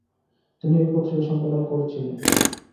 তিনি এই পত্রিকা সম্পাদনা করেছিলেন।